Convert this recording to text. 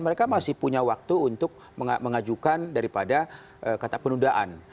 mereka masih punya waktu untuk mengajukan daripada kata penundaan